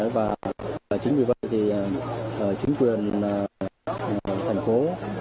và chính vì vậy thì chính quyền thành phố